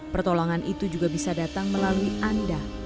pertolongan itu juga bisa datang melalui anda